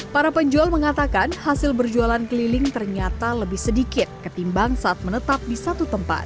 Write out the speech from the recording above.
para penjual mengatakan hasil berjualan keliling ternyata lebih sedikit ketimbang saat menetap di satu tempat